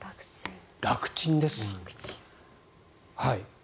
楽ちんです。